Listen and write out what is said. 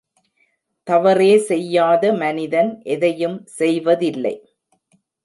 தவறே செய்யாத மனிதன் எதையும் செய்வதில்லை.